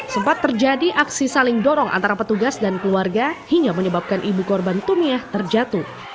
sempat terjadi aksi saling dorong antara petugas dan keluarga hingga menyebabkan ibu korban tumiah terjatuh